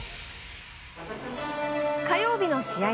火曜日の試合